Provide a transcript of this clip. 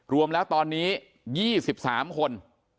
รวมแล้วตอนนี้๒๓คน